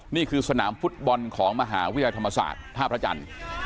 นี่คือสนามฟุตบอลของมหาวิทยาลัยธรรมศาสตร์ท่าพระจันทร์